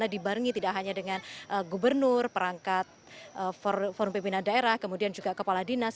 dibarengi tidak hanya dengan gubernur perangkat forum pimpinan daerah kemudian juga kepala dinas